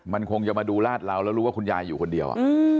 มันคงจะมาดูลาดเราแล้วรู้ว่าคุณยายอยู่คนเดียว